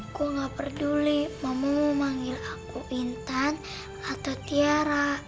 aku gak peduli mama mau manggil aku intan atau tiara